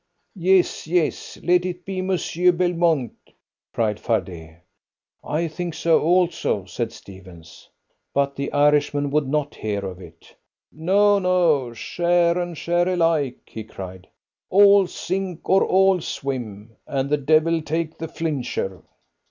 "Yes, yes, let it be Monsieur Belmont," cried Fardet. "I think so also," said Stephens. But the Irishman would not hear of it. "No, no, share and share alike," he cried. "All sink or all swim, and the devil take the flincher."